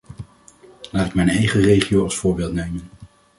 Laat ik mijn eigen regio als voorbeeld nemen.